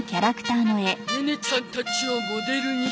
ネネちゃんたちをモデルにしてみた。